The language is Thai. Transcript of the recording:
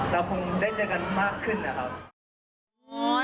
เราคงได้เจอกันมากขึ้นนะครับ